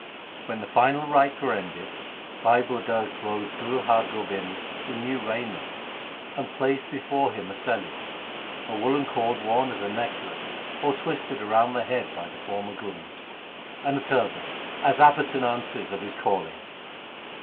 When the final rites were ended, Bhai Budha clothed Guru Har Gobind in new raiment, and placed before him a seli — a woollen cord worn as a necklace or twisted round the head by the former Gurus — and a turban, as appurtenances of his calling.